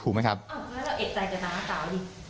แล้วเอ็ดใจกับน้าสาวดิ